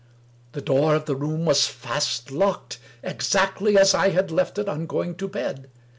The door of the room was fast locked, exactly as I had left it on going to bed!